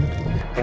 kamu tetap awasin